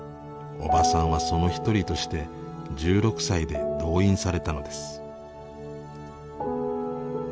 おばさんはその一人として１６歳で動員されたのです。